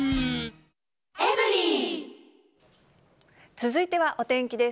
続いてはお天気です。